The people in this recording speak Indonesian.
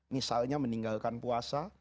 misalnya meninggalkan puasa